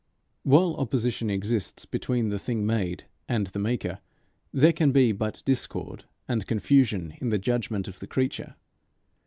While opposition exists between the thing made and the maker, there can be but discord and confusion in the judgment of the creature.